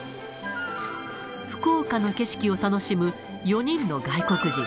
福岡の景色を楽しむ４人の外国人。